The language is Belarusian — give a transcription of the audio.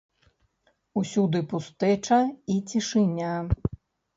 Усюды пустэча і цішыня.